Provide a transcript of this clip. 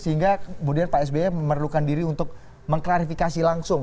sehingga kemudian pak sby memerlukan diri untuk mengklarifikasi langsung